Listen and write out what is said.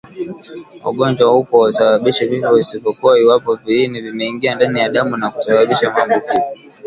Ugonjwa huu hausababishi vifo isipokuwa iwapo viini vimeingia ndani ya damu na kusababisha maambukizi